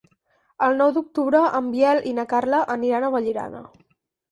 El nou d'octubre en Biel i na Carla aniran a Vallirana.